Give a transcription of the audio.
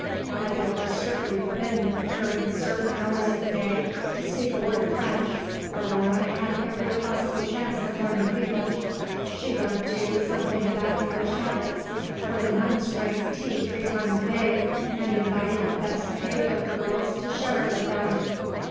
As it was strictly forbidden during certain hours of the day to speak a word of French, Aurore had every possible chance of learning English. She learnt, too, something about English habits, for the nuns drank tea three times a day, and invited the best behaved of the girls to share it with them.